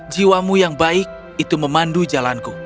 jiwamu yang baik itu memandu jalanku